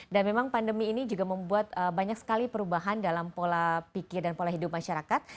dan memang pandemi ini juga membuat banyak sekali perubahan dalam pola pikir dan pola hidup masyarakat